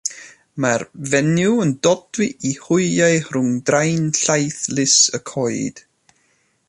Mae'r fenyw'n dodwy ei hwyau rhwng drain llaethlys y coed.